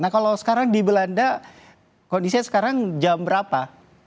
nah kalau sekarang di belanda kondisinya sekarang jam berapa